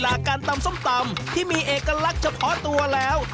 การตำส้มตำที่มีเอกลักษณ์เฉพาะตัวแล้ว